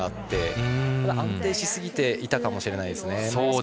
ただ安定しすぎていたかもしれないです。